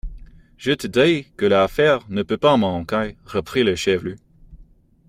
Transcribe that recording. Je te dis que l'affaire ne peut pas manquer, reprit le chevelu.